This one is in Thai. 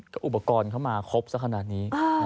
ก็อุปกรณ์เข้ามาครบสักขนาดนี้